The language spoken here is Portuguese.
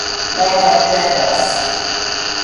Nova Tebas